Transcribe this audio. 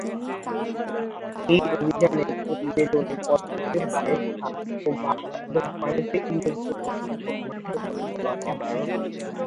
এই অভিযানের প্রতিবেদনে কচ্ছপের পায়ের ছাপ ও বাসা, এবং পানিতে উল্লেখযোগ্য সংখ্যক মাছের কথা বলা হয়েছে।